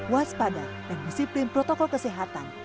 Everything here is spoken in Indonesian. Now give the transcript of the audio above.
waspada dan disiplin protokol kesehatan